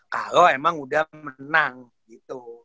kalau emang udah menang gitu